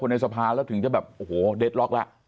ในสภาแล้วถึงจะแบบโอ้โหเด็ดล็อกแล้ว